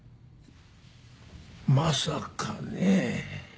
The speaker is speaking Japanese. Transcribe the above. まさかねえ。